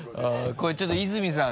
これちょっと泉さん